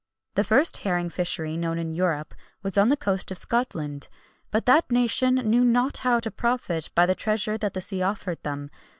The first herring fishery known in Europe was on the coast of Scotland; but that nation knew not how to profit by the treasure that the sea offered them.